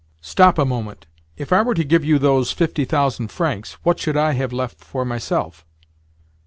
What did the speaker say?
"Stop a moment. If I were to give you those fifty thousand francs, what should I have left for myself?"